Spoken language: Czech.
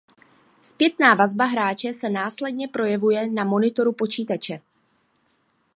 Zpětná vazba hráče se následně projevuje na monitoru počítače.